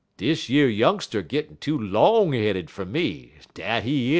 Dish yer youngster gittin' too long headed fer me; dat he is."